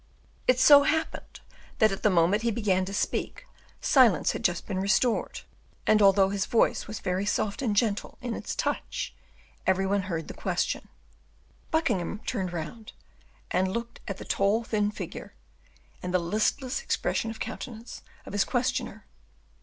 It so happened, that, at the moment he began to speak, silence had just been restored, and, although his voice was very soft and gentle in its touch, every one heard his question. Buckingham turned round, and looked at the tall thin figure, and the listless expression of countenance of his questioner.